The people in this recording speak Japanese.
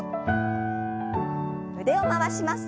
腕を回します。